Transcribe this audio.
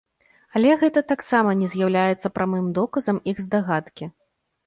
Але гэта таксама не з'яўляецца прамым доказам іх здагадкі.